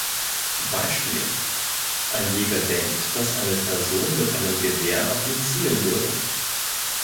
Beispiel: Ein Jäger denkt, dass eine Person mit einem Gewehr auf ihn zielen würde.